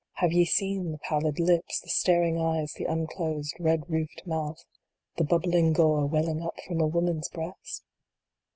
Have ye seen the pallid lips, the staring eyes, the un closed, red roofed mouth the bubbling gore, welling up from a woman s breast